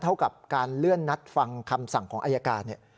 เท่ากับการเลื่อนรับคำสั่งประหลาดอายการ